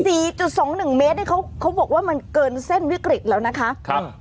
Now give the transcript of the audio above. จุดสองหนึ่งเมตรนี่เขาเขาบอกว่ามันเกินเส้นวิกฤตแล้วนะคะครับ